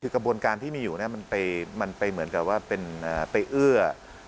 คือกระบวนการที่มีอยู่มันไปเหมือนกับว่าไปเอื้อ